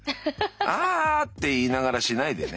「あ」って言いながらしないでね。